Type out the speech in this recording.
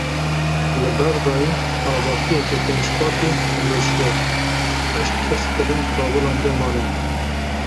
Li Bexdayê avahiyeke pênc qatî hilweşiya heşt kes di bin kavilan de mane.